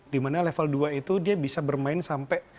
dimana level dua itu dia bisa bermain sampai